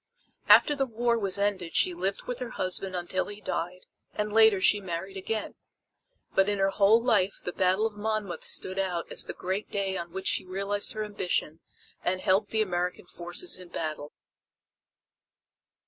After the war was ended she lived with her husband until he died, and later she married again. But in her whole life the battle of Monmouth stood out as the great day on which she realized her ambition and helped the American forces in battle.